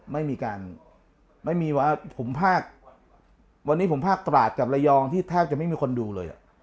ไม่มีการไม่มีว่าผมภาควันนี้ผมภาคตราดกับระยองที่แทบจะไม่มีคนดูเลย